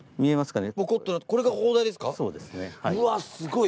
うわすごい。